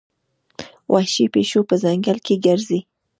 وحشي پیشو په ځنګل کې ګرځي.